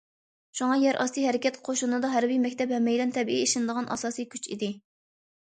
شۇڭا، يەر ئاستى ھەرىكەت قوشۇنىدا ھەربىي مەكتەپ ھەممەيلەن تەبىئىي ئىشىنىدىغان ئاساسىي كۈچ ئىدى.